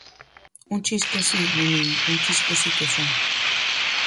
Un chisco si, neniño, un chisco si que o son.